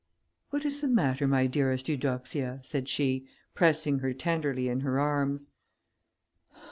"What is the matter, my dearest Eudoxia?" said she, pressing her tenderly in her arms.